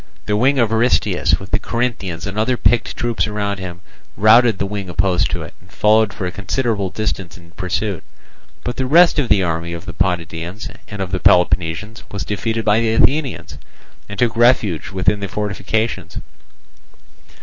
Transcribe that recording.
The wing of Aristeus, with the Corinthians and other picked troops round him, routed the wing opposed to it, and followed for a considerable distance in pursuit. But the rest of the army of the Potidæans and of the Peloponnesians was defeated by the Athenians, and took refuge within the fortifications.